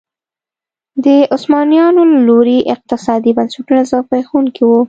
د عثمانیانو له لوري اقتصادي بنسټونه زبېښونکي وو.